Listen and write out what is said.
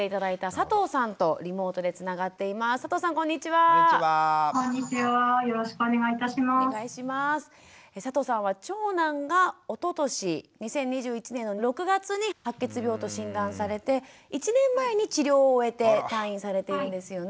佐藤さんは長男がおととし２０２１年の６月に白血病と診断されて１年前に治療を終えて退院されているんですよね？